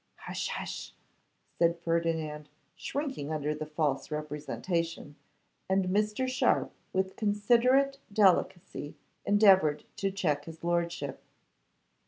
'Hush, hush,' said Ferdinand, shrinking under this false representation, and Mr. Sharpe with considerate delicacy endeavoured to check his lordship.